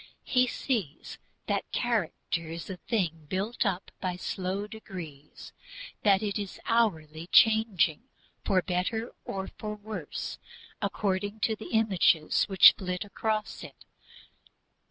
He sees that character is a thing built up by slow degrees, that it is hourly changing for better or for worse according to the images which flit across it.